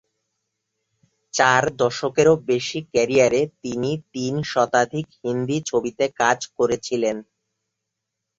চার দশকেরও বেশি ক্যারিয়ারে তিনি তিন শতাধিক হিন্দি ছবিতে কাজ করেছিলেন।